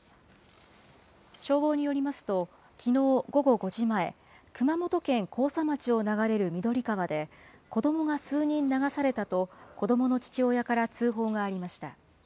消防によりますと、きのう午後５時前、熊本県甲佐町を流れる緑川で、子どもが数人流されたと、子どもの父親から通報がありました。